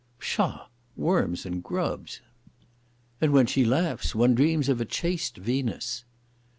"Psha! Worms and grubs!" "And when she laughs one dreams of a chaste Venus."